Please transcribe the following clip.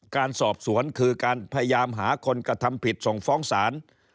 การสอบสวนคือการพยายามหาคนกระทำผิดส่งฟ้องศาล